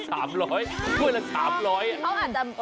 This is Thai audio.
จ้วยละ๓๐๐